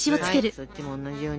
そっちも同じように。